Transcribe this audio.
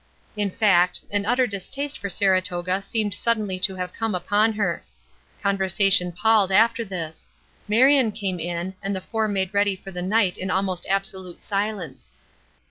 In fact, an utter distaste for Saratoga seemed suddenly to have come upon her. Conversation palled after this; Marion came in, and the four made ready for the night in almost absolute silence.